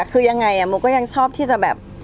คือยังไงโมก็ยังชอบที่จะแบบ